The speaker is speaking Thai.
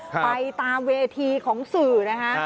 ไปตามเวทีของสื่อนะคะ